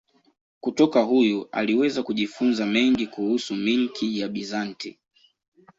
Kutoka huyu aliweza kujifunza mengi kuhusu milki ya Bizanti.